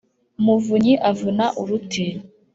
Muvunyi avuna uruti